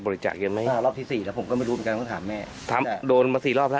รอบที่สี่นะผมก็ไม่รู้เหมือนกันก็ถามแม่โดนมาสี่รอบแหละ